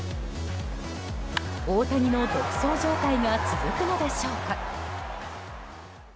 大谷の独走状態は続くのでしょうか。